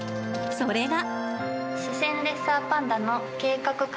それが。